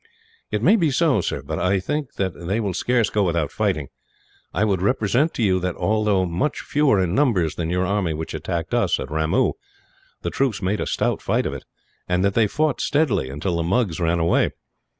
"It may be so, sir; but I think that they will scarce go without fighting. I would represent to you that, although much fewer in numbers than your army which attacked us, at Ramoo, the troops made a stout fight of it; and that they fought steadily, until the Mugs ran away.